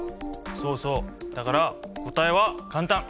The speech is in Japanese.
そうそうだから答えは簡単。